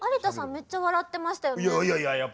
めっちゃ笑ってましたよね。